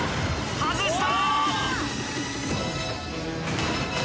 外した！